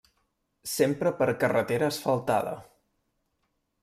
Sempre per carretera asfaltada.